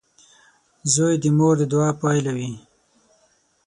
• زوی د مور د دعا پایله وي.